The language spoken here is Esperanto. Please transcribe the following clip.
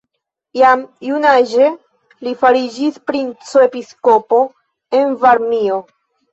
Jam junaĝe li fariĝis princo-episkopo en Varmio.